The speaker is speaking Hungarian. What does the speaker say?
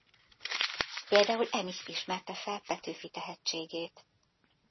Például Emich ismerte fel Petőfi tehetségét.